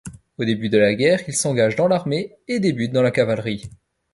Au début de la Guerre, il s'engage dans l'armée et débute dans la cavalerie.